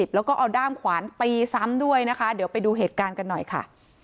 แล้วก็เอาด้ามขวานตีซ้ำด้วยนะคะเดี๋ยวไปดูเหตุการณ์กันหน่อยค่ะ